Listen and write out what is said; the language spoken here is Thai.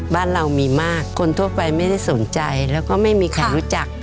บ้านเรามีมากคนทั่วไปไม่ได้สนใจแล้วก็ไม่มีใครรู้จัก